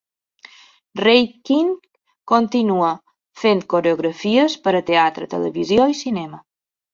Reinking continua fent coreografies per a teatre, televisió i cinema.